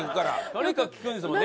とにかく聞くんですもんね？